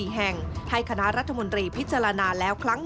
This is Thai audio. ซึ่งกลางปีนี้ผลการประเมินการทำงานขององค์การมหาชนปี๒ประสิทธิภาพสูงสุด